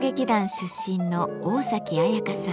出身の桜咲彩花さん。